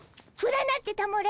占ってたもれ。